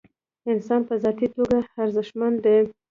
انسان په ذاتي توګه ارزښتمن دی.